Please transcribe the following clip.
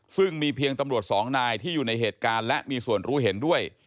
ซึ่งมีเพียงตำรวจสองนายที่อยู่ในเหตุการณ์และมีส่วนรู้เห็นด้วย